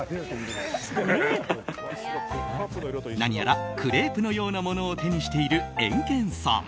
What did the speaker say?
何やらクレープのようなものを手にしているエンケンさん。